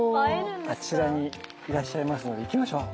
あちらにいらっしゃいますので行きましょう。